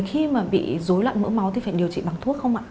khi mà bị dối loạn mỡ máu thì phải điều trị bằng thuốc không ạ